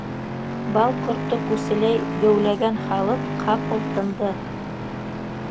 Бал ҡорто күселәй геүләгән халыҡ ҡапыл тынды.